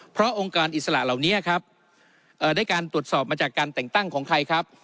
เพราะองค์กรอิสระเหล่านี้ครับได้การตรวจสอบมาจากการแต่งตั้งของใครครับ